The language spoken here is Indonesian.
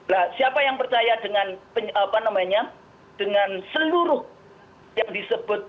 nah siapa yang percaya dengan apa namanya dengan seluruh yang disebut